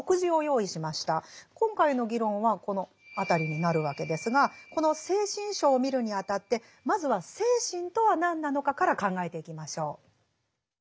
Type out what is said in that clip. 今回の議論はこの辺りになるわけですがこの「精神章」を見るにあたってまずは精神とは何なのかから考えていきましょう。